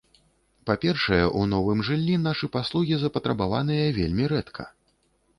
Па-першае, у новым жыллі нашы паслугі запатрабаваныя вельмі рэдка.